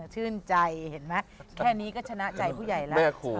ชื่นใจเห็นไหมแค่นี้ก็ชนะใจผู้ใหญ่แล้ว